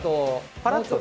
パラッと。